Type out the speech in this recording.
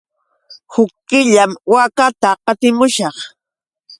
Huk killam waakata qatimushaq.